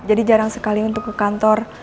jadi jarang sekali untuk ke kantor